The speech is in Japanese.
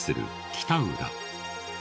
北浦